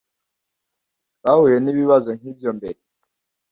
Twahuye nibibazo nkibyo mbere.